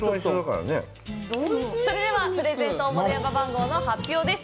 それでは、プレゼント応募電話番号の発表です。